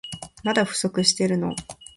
まだ不足してるの？